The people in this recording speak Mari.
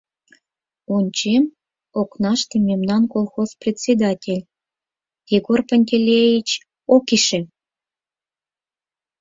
Ончем: окнаште — мемнан колхоз председатель, Егор Пантелеич Окишев!